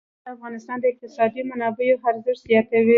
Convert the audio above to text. بزګان د افغانستان د اقتصادي منابعو ارزښت زیاتوي.